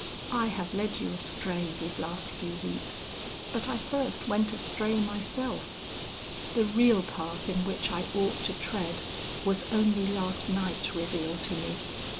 I have led you astray these last few weeks, but I first went astray myself. The real path in which I ought to tread, was only last night revealed to me.